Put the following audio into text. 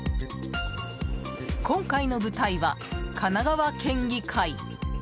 今回の舞台は神奈川県議会。